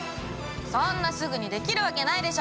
そんなすぐに出来るわけないでしょ！